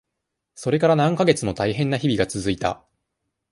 それから何ヶ月もたいへんな日々が続いた。